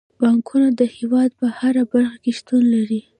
بانکونه د هیواد په هره برخه کې شتون لري.